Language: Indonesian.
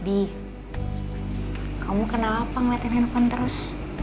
di kamu kenapa ngeliatin handphone terus